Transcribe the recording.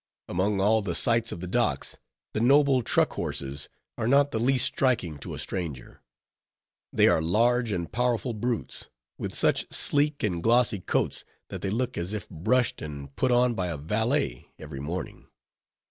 Among all the sights of the docks, the noble truck horses are not the least striking to a stranger. They are large and powerful brutes, with such sleek and glossy coats, that they look as if brushed and put on by a valet every morning.